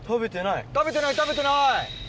食べてない食べてない。